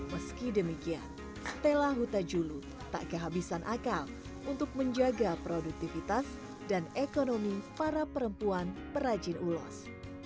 meski demikian stella huta julu tak kehabisan akal untuk menjaga produktivitas dan ekonomi para perempuan perajin ulos